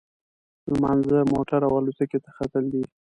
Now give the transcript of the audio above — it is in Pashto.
لمانځه، موټر او الوتکې ته ختل دي.